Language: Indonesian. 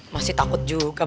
masih takut juga pak rt